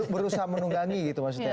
berusaha menunggangi gitu maksudnya